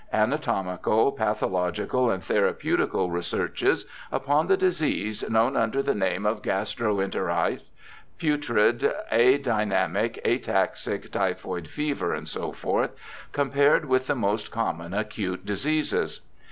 Anatomical, Pathological and Therapeutical Researches upon the disease known tinder the name of gastro enterite, putrid, adynamic, ataxic, typhoid fever, &c., compared with the most common acute diseases.